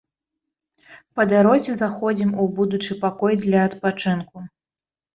Па дарозе заходзім у будучы пакой для адпачынку.